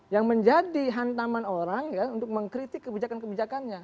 yang menjadi hantaman orang ya untuk mengkritik kebijakan kebijakannya